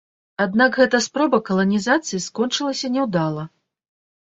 Аднак гэта спроба каланізацыі скончылася няўдала.